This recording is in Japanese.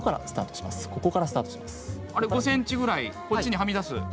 ５ｃｍくらい、こっちにはみ出す。